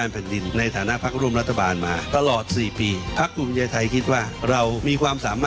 เปิดปากกับภาคคลุม